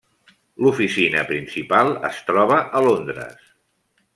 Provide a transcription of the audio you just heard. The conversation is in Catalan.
L'oficina principal es troba a Londres.